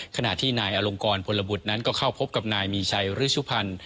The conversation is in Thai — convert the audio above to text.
ขณะที่นายอลงกรพลบุตรนั้นก็เข้าพบกับนายมีชัยฤชุพันธ์